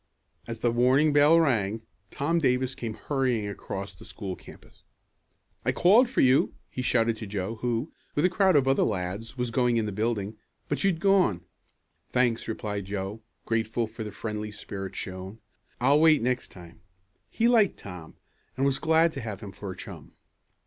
As the warning bell rang, Tom Davis came hurrying across the school campus. "I called for you!" he shouted to Joe who, with a crowd of other lads, was going in the building, "but you'd gone." "Thanks," replied Joe, grateful for the friendly spirit shown. "I'll wait next time." He liked Tom, and was glad to have him for a chum.